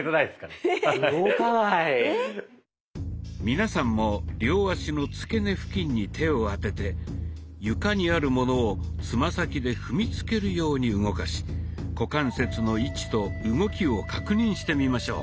皆さんも両足のつけ根付近に手を当てて床にあるものをつま先で踏みつけるように動かし股関節の位置と動きを確認してみましょう。